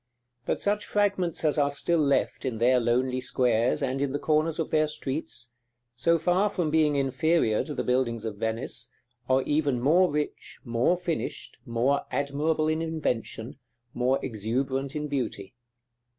But such fragments as are still left in their lonely squares, and in the corners of their streets, so far from being inferior to the buildings of Venice, are even more rich, more finished, more admirable in invention, more exuberant in beauty.